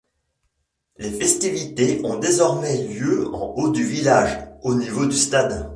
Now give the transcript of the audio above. Les festivités ont désormais lieu en haut du village, au niveau du stade.